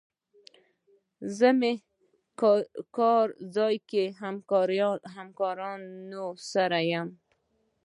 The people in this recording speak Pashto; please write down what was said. زه مې کار ځای کې همکارانو سره یم.